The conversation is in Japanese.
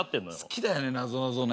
好きだよねなぞなぞね。